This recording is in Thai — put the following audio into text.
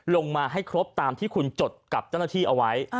ลงมาให้ครบตามที่คุณจดกับเจ้าหน้าที่เอาไว้